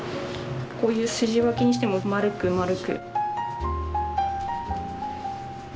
こういう筋脇にしても丸く丸く。